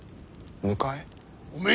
迎え？